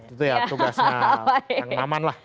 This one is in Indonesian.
itu ya tugasnya yang aman lah